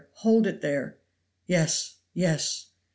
"Hold it there!" "Yes! yes!"